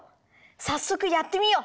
さっそくやってみよう！